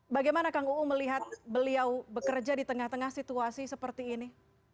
bagaimana kang uu melihat beliau bekerja di tengah tengah situasi seperti ini